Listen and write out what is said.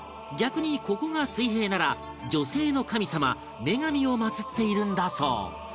逆にここが水平なら女性の神様女神を祀っているんだそう